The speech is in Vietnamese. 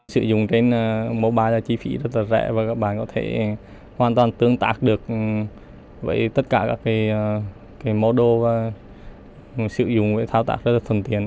sử dụng trên mobile là chi phí rất rẻ và các bạn có thể hoàn toàn tương tác được với tất cả các mô đô sử dụng và thao tác rất thuần tiến